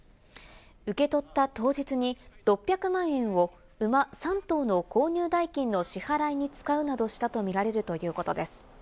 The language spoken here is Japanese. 受け取った当日に６００万円を馬３頭の購入代金の支払いに使うなどしたとみられるということです。